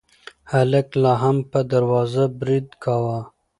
هلک لا هم په دروازه برید کاوه.